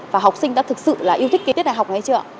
và học sinh đã thực sự là yêu thích cái tiết đại học hay chưa ạ